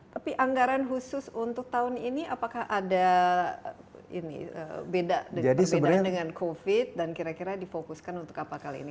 tapi anggaran khusus untuk tahun ini apakah ada perbedaan dengan covid dan kira kira difokuskan untuk apa kali ini